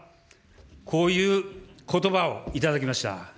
こういうことばをいただきました。